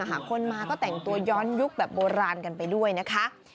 คนมาก็แต่งตัวย้อนยุคแบบโบราณกันไปด้วยนะคะ